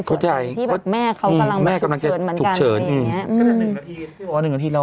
ส่วนที่แม่เขากำลังจะจุกเฉินเหมือนรึยังไง